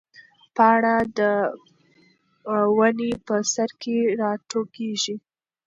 پاڼه د ونې په سر کې راټوکېږي.